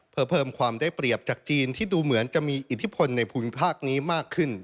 เพื่อเพิ่มความได้เปรียบจากจีนที่ดูเหมือนจะมีอิทธิพลในภูมิภาคนี้มากขึ้น